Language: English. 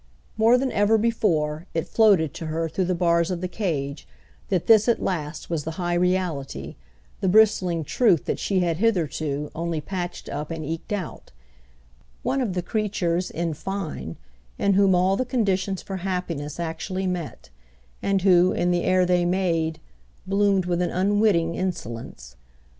More than ever before it floated to her through the bars of the cage that this at last was the high reality, the bristling truth that she had hitherto only patched up and eked out—one of the creatures, in fine, in whom all the conditions for happiness actually met, and who, in the air they made, bloomed with an unwitting insolence.